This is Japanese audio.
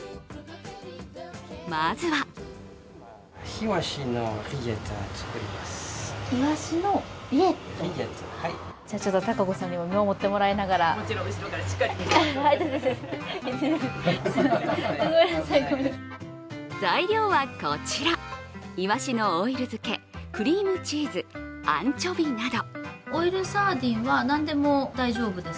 まずは材料はこちら、いわしのオイル漬け、クリームチーズ、アンチョビなど。